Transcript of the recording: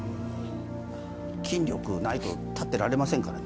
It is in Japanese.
筋力ないと立ってられませんからね。